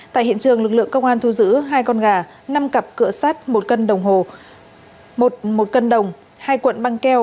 tại hiện trường lực lượng công an thu giữ hai con gà năm cặp cửa sát một cân đồng hai cuộn băng keo